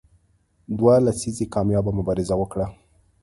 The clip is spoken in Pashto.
دوه لسیزې کامیابه مبارزه وکړه.